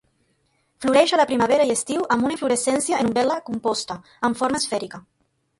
Floreix a la primavera i estiu amb una inflorescència en umbel·la composta, amb forma esfèrica.